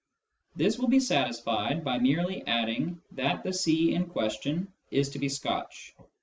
This will be satisfied by merely adding that the c in question is to be Scotch.